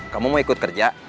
kamu mau ikut kerja